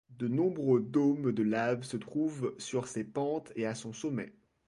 De nombreux dômes de lave se trouvent sur ses pentes et à son sommet.